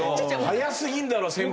早すぎるだろ先輩に。